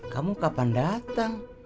kamu kapan datang